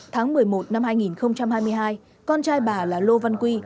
tháng một mươi một năm hai nghìn hai mươi hai con trai bà là lô văn quy